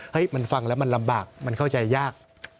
ให้มันฟังแล้วมันลำบากมันเข้าใจยาก